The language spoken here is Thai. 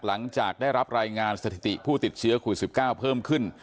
หลังจากได้รับรายงานสถิติผู้ติดเชื้อโควิด๑๙เพิ่มขึ้น